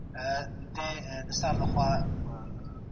تاسو باید تل د تازه میوو څخه استفاده وکړئ.